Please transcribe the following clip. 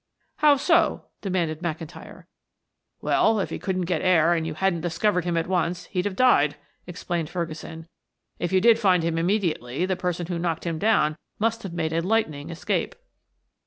"How so?" demanded McIntyre. "Well, if he couldn't get air and you hadn't discovered him at once, he'd have died," explained Ferguson. "If you did find him immediately the person who knocked him down must have made a lightning escape."